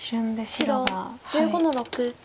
白１５の六。